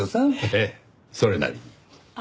ええそれなりに。